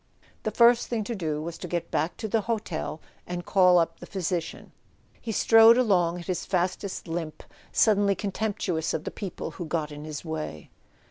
The first thing to do was to get back to the hotel and call up the physician. He strode along at his fastest limp, suddenly contemptuous of the people who got in his way.